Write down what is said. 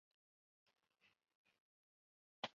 马恩河畔阿内人口变化图示戈尔德